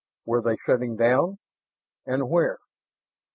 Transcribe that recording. Were they setting down? And where?